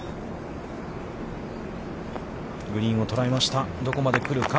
グリーンを捉えました、どこまで来るか。